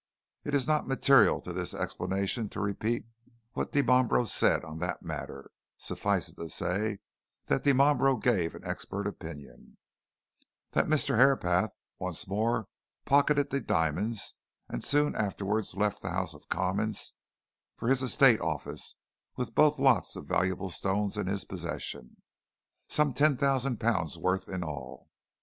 It is not material to this explanation to repeat what Dimambro said on that matter suffice it to say that Dimambro gave an expert opinion, that Mr. Herapath once more pocketed the diamonds, and soon afterwards left the House of Commons for his estate offices with both lots of valuable stones in his possession some ten thousand pounds' worth in all.